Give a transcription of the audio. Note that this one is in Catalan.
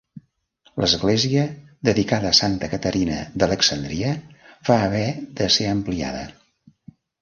L'església, dedicada a Santa Caterina d'Alexandria, va haver de ser ampliada.